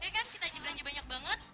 ya kan kita aja belanja banyak banget